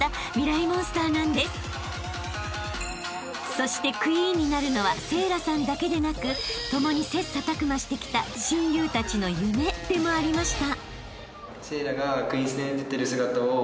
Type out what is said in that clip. ［そしてクイーンになるのは聖蘭さんだけでなく共に切磋琢磨してきた親友たちの夢でもありました］